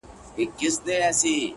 ستا خنداگاني مي ساتلي دي کرياب وخت ته’